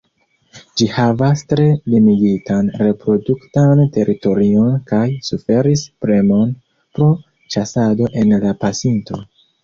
Ĝi havas tre limigitan reproduktan teritorion kaj suferis premon pro ĉasado en la pasinto.